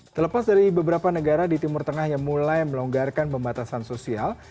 terlepas dari beberapa negara di timur tengah yang mulai melonggarkan pembatasan sosial